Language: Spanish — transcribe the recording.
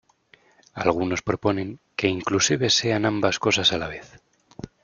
Algunos proponen que inclusive sean ambas cosas a la vez.